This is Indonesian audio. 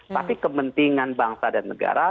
tapi kepentingan bangsa dan negara